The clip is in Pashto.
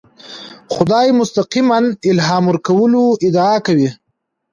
خدای مستقیماً الهام ورکولو ادعا کوي.